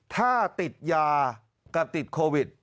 ถ้าติดยากับติดโควิด